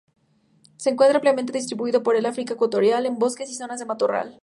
Se encuentra ampliamente distribuido por el África ecuatorial, en bosques y zonas de matorral.